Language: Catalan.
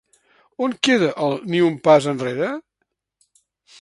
On queda el "ni un pas enrere"?